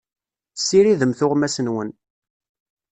Ssiridem tuɣmas-nwen.